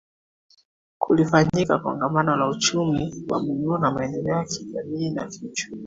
Kulifanyika Kongamano la Uchumi wa Buluu kwa Maendeleo ya Kijamii na Kiuchumi